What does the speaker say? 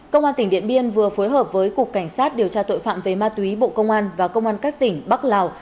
công an tỉnh điện biên vừa phối hợp với cục cảnh sát điều tra tội phạm về ma túy bộ công an và công an các tỉnh bắc lào